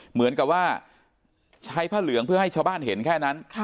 เหมือนกับว่าใช้ผ้าเหลืองเพื่อให้ชาวบ้านเห็นแค่นั้น